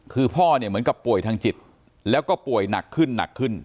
คือพ่อเนี่ยเหมือนกับป่วยทางจิตแล้วก็ป่วยหนักขึ้นหนักขึ้น